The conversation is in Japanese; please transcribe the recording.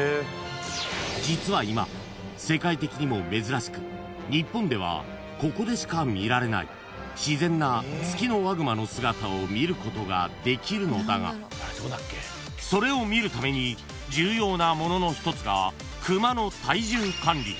［実は今世界的にも珍しく日本ではここでしか見られない自然なツキノワグマの姿を見ることができるのだがそれを見るために重要なものの一つが熊の体重管理］